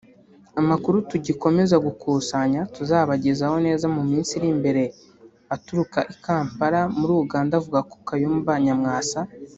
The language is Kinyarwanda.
Amakuru tugikomeza gukusanya tuzabagezaho neza mu minsi iri imbere aturuka I Kampala muri Uganda avuga ko Kayumba Nyamwasa